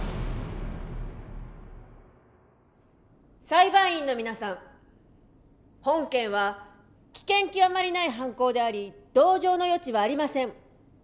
裁判員の皆さん本件は危険極まりない犯行であり同情の余地はありません。